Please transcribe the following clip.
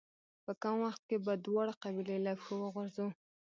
په کم وخت کې به دواړه قبيلې له پښو وغورځوو.